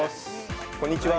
こんにちは。